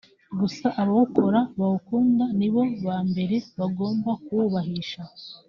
gusa abawukora bawukunda ni bo ba mbere bagomba kuwubahisha